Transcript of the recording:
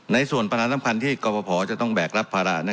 ในส่วนปัญหาสำคัญที่กรปภจะต้องแบกรับภาระ